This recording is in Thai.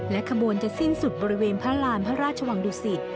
ขบวนจะสิ้นสุดบริเวณพระราณพระราชวังดุสิต